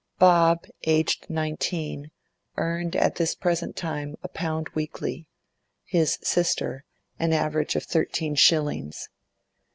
Bob, aged nineteen, earned at this present time a pound weekly; his sister, an average of thirteen shillings.